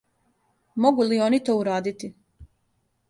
Могу ли они то урадити?